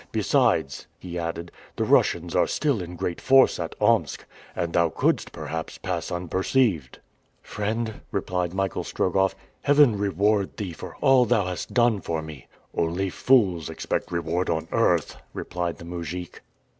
Besides," he added, "the Russians are still in great force at Omsk, and thou couldst, perhaps, pass unperceived." "Friend," replied Michael Strogoff, "Heaven reward thee for all thou hast done for me!" "Only fools expect reward on earth," replied the mujik.